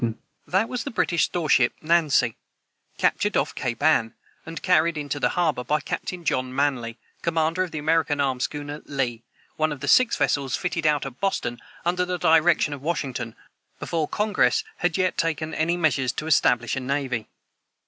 [Footnote 185: That was the British storeship Nancy, captured off Cape Anne, and carried into that harbor, by Captain John Manly, commander of the American armed schooner Lee, one of the six vessels fitted out at Boston under the direction of Washington, before Congress had yet taken any measures to establish a navy.